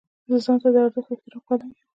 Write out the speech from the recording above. زه ځان ته د ارزښت او احترام قایل یم.